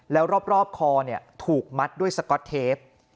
แล้วรอบคอถูกมัดด้วยสก๊อตเทป